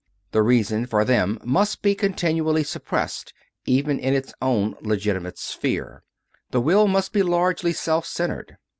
The Reason, for them, must be continually suppressed even in its own legitimate sphere; the Will must be largely self centred.